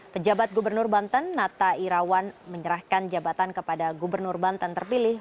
pejabat gubernur banten nata irawan menyerahkan jabatan kepada gubernur banten terpilih